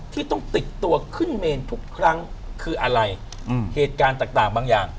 ที่ต้องติดตัวขึ้นเมนทุกครั้งคืออะไรเหตุการณ์ต่างบางอย่าง